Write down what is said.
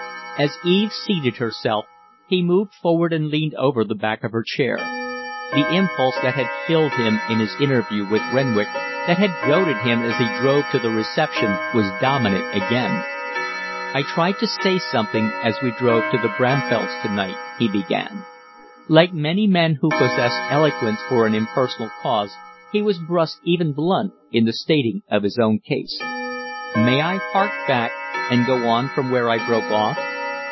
As Eve seated herself, he moved forward and leaned over the back of her chair. The impulse that had filled him in his interview with Renwick, that had goaded him as he drove to the reception, was dominant again. "I tried to say something as we drove to the Bramfells' to night," he began. Like many men who possess eloquence for an impersonal cause, he was brusque, even blunt, in the stating of his own case. "May I hark back, and go on from where I broke off?"